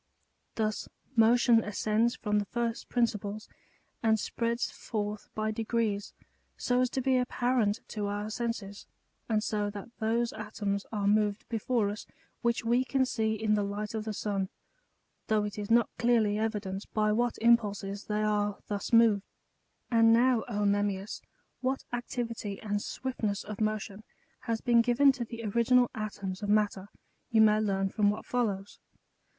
Thus motion ascends from the first principles, and spreads forth by degrees, so as to be apparent to our senses, and so that those atoms are moved before us, which we can see in the light of the sun ; though it is not clearly evident by what impulses they are thus moved. And now, O Memmius, what activity and swiftness of mo tion^ has been given to the original atoms of matter, you may learn from what follows.